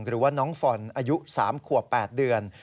หรือว่าน้องฟอนอายุ๓ขวบ๘เดือน